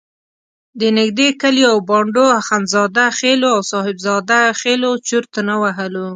د نږدې کلیو او بانډو اخندزاده خېلو او صاحب زاده خېلو چرت نه وهلو.